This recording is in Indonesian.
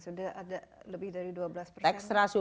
sudah ada lebih dari dua belas persen tax ratio